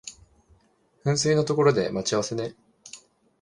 噴水の所で待ち合わせね